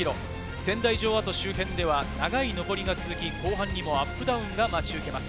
仙台城趾周辺では長い上りが続き、後半にもアップダウンが待ち受けます。